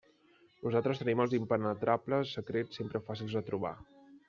Nosaltres tenim els impenetrables secrets sempre fàcils de trobar.